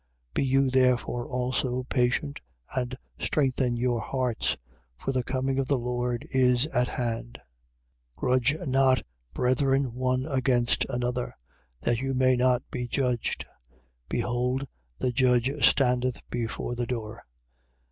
5:8. Be you therefore also patient and strengthen your hearts: for the coming of the Lord is at hand. 5:9. Grudge not, brethren, one against another, that you may not be judged. Behold the judge standeth before the door.